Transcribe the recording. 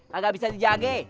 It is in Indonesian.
kagak bisa dijage